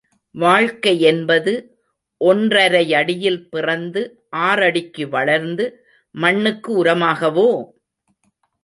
வாழ்க்கையென்பது, ஒன்றரையடியில் பிறந்து ஆறடிக்கு வளர்ந்து மண்ணுக்கு உரமாகவோ?